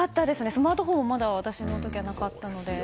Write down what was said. スマートフォンがまだ私の時はなかったので。